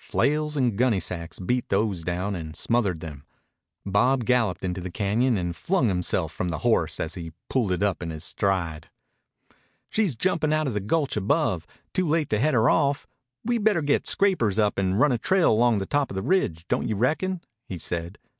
Flails and gunnysacks beat these down and smothered them. Bob galloped into the cañon and flung himself from the horse as he pulled it up in its stride. "She's jumpin' outa the gulch above. Too late to head her off. We better get scrapers up and run a trail along the top o' the ridge, don't you reckon?" he said.